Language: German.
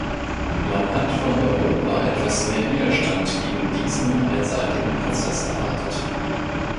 Man hat von Europa etwas mehr Widerstand gegen diesen einseitigen Prozess erwartet.